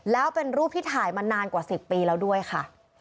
แล้วเป็นรูปที่ถ่ายมานานกว่า๑๐ปีแล้วด้วยค่ะ